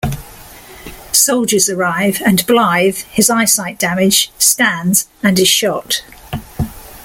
Soldiers arrive and Blythe, his eyesight damaged, stands and is shot.